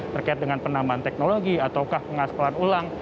terkait dengan penambahan teknologi ataukah pengaspalan ulang